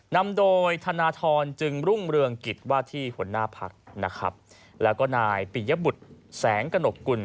นำโดยธนทรจึงรุ่งเรืองกิจว่าที่หัวหน้าพักนะครับแล้วก็นายปิยบุตรแสงกระหนกกุล